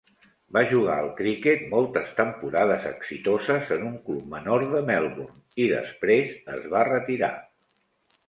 Va jugar al criquet moltes temporades exitoses en un club menor de Melbourne i després es va retirar.